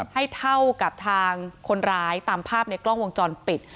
เท่ากับทางคนร้ายตามภาพในกล้องวงจรปิด